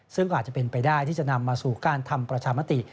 ซึ่งก็อาจจะเป็นไปได้ที่จะนำมาสู่การทำประชามติ